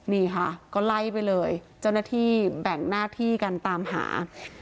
นี่ค่ะก็ไล่ไปเลยเจ้าหน้าที่แบ่งหน้าที่กันตามหา